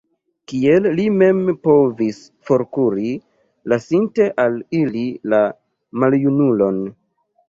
Kiel li mem povis forkuri, lasinte al ili la maljunulon?